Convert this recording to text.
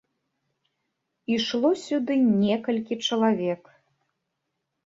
Ішло сюды некалькі чалавек.